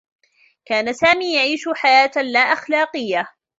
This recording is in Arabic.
كان سامي يعيش حياة لاأخلاقيّة.